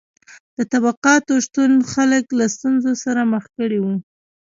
د طبقاتو شتون خلک له ستونزو سره مخ کړي وو.